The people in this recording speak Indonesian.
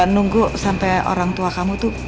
nunggu sampai orang tua kamu tuh